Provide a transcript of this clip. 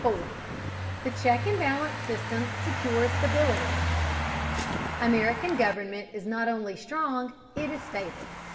THE CHECK AND BALANCE SYSTEM SECURES STABILITY. American government is not only strong, it is stable.